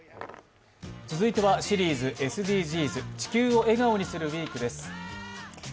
続いてはシリーズＳＤＧｓ「地球を笑顔にするＷＥＥＫ」です。